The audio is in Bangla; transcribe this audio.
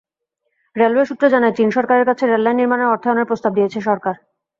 রেলওয়ে সূত্র জানায়, চীন সরকারের কাছে রেললাইন নির্মাণে অর্থায়নের প্রস্তাব দিয়েছে সরকার।